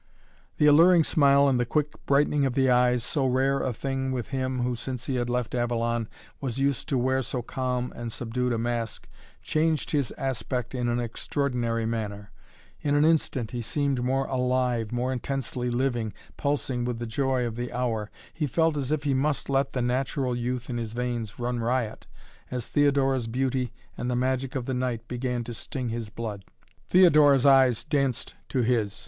The alluring smile and the quick brightening of the eyes, so rare a thing with him who, since he had left Avalon, was used to wear so calm and subdued a mask, changed his aspect in an extraordinary manner. In an instant he seemed more alive, more intensely living, pulsing with the joy of the hour. He felt as if he must let the natural youth in his veins run riot, as Theodora's beauty and the magic of the night began to sting his blood. Theodora's eyes danced to his.